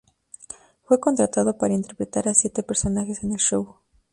Fue contratado para interpretar a siete personajes en el show.